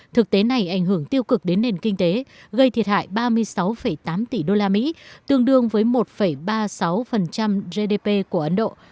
thực tế này ảnh hưởng tiêu cực đến nền kinh tế gây thiệt hại ba mươi sáu tám tỷ usd tương đương với một ba mươi sáu gdp của ấn độ